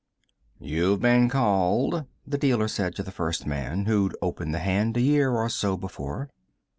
"You've been called," the dealer said to the first man, who'd opened the hand a year or so before.